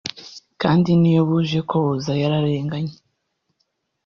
kandi niyo buje ko buza yararenganye”